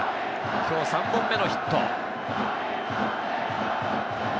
今日３本目のヒット。